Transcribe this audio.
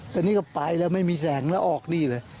แต่นี่ก็ไปแล้วไม่มีแสงแล้วออกนี่เลย